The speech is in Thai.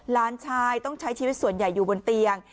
หลานชายต้องใช้ชีวิตส่วนใหญ่อยู่บนเตียง